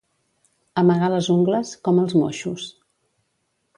Amagar les ungles, com els moixos.